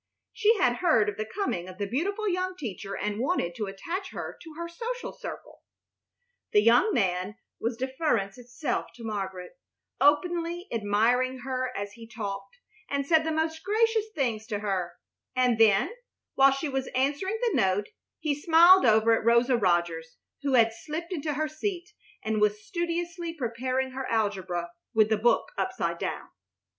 She had heard of the coming of the beautiful young teacher, and wanted to attach her to her social circle. The young man was deference itself to Margaret, openly admiring her as he talked, and said the most gracious things to her; and then, while she was answering the note, he smiled over at Rosa Rogers, who had slipped into her seat and was studiously preparing her algebra with the book upside down.